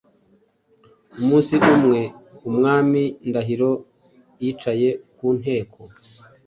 Umunsi umwe, Umwami Ndahiro yicaye ku nteko